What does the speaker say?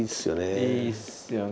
いいっすよね。